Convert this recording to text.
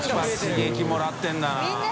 刺激もらってるんだな。